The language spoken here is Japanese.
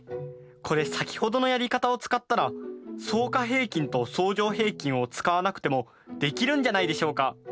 これ先ほどのやり方を使ったら相加平均と相乗平均を使わなくてもできるんじゃないでしょうか？